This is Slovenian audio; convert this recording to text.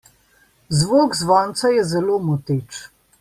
Zvok zvonca je zelo moteč.